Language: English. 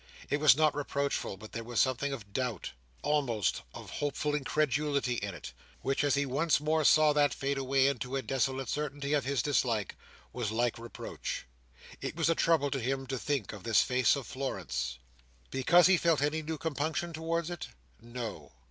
It was not reproachful, but there was something of doubt, almost of hopeful incredulity in it, which, as he once more saw that fade away into a desolate certainty of his dislike, was like reproach. It was a trouble to him to think of this face of Florence. Because he felt any new compunction towards it? No.